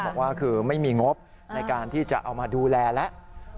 บอกว่าคือไม่มีงบในการที่จะเอามาดูแลแล้ว